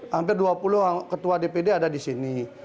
hampir dua puluh ketua dpd ada di sini